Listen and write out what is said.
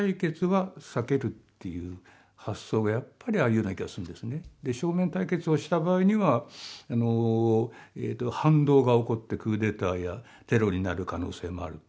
それに対して正面対決をした場合には反動が起こってクーデターやテロになる可能性もあると。